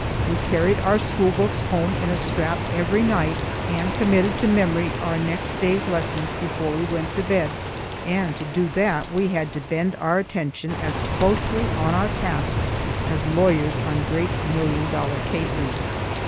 We carried our school books home in a strap every night and committed to memory our next day's lessons before we went to bed, and to do that we had to bend our attention as closely on our tasks as lawyers on great million dollar cases.